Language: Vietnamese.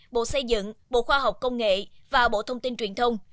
bộ xây dựng bộ khoa học công nghệ và bộ thông tin truyền thông